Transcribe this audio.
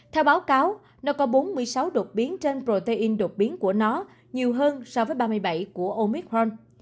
theo báo cáo nó có bốn mươi sáu đột biến trên protein đột biến của nó nhiều hơn so với ba mươi bảy của omic ron